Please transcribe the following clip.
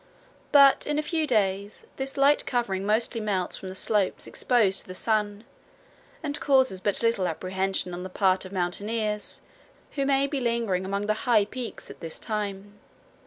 But in a few days, this light covering mostly melts from the slopes exposed to the sun and causes but little apprehension on the part of mountaineers who may be lingering among the high peaks at this time.